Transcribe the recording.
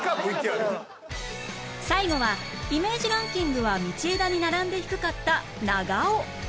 最後はイメージランキングは道枝に並んで低かった長尾